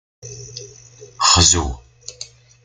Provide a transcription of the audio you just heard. Xzu.